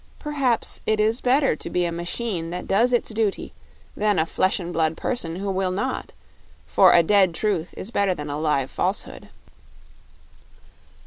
Perhaps it is better to be a machine that does its duty than a flesh and blood person who will not, for a dead truth is better than a live falsehood.